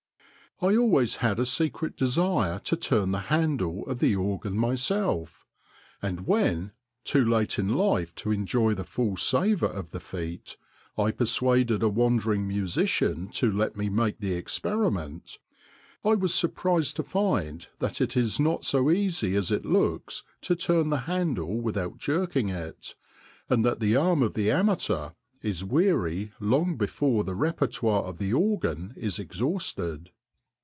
I always had a secret desire to turn the handle of the organ myself ; and when too late in life to enjoy the full savour of the feat I persuaded a wandering musician to let me make the experiment, I was surprised to find STREET ORGANS 147 that it is not so easy as it looks to turn the handle without jerking it, and that the arm of the amateur is weary long before the repertoire of the organ is exhausted.